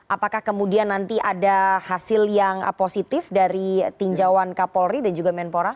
apakah kemudian nanti ada hasil yang positif dari tinjauan kapolri dan juga menpora